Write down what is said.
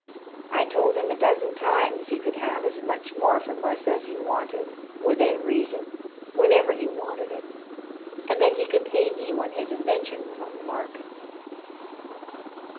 I told him a dozen times he could have as much more from us as he wanted, within reason, whenever he wanted it, and that he could pay me when his invention was on the market."